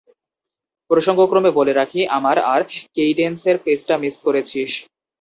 প্রসঙ্গক্রমে বলে রাখি, আমার আর কেইডেন্সের কিসটা মিস করেছিস।